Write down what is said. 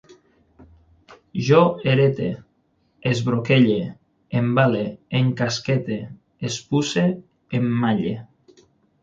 Jo herete, esbroquelle, embale, encasquete, espuce, emmalle